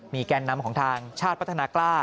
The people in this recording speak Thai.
แกนนำของทางชาติพัฒนากล้า